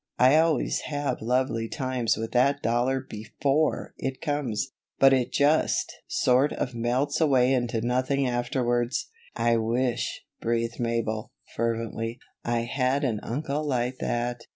I always have lovely times with that dollar before it comes, but it just sort of melts away into nothing afterwards." "I wish," breathed Mabel, fervently, "I had an uncle like that."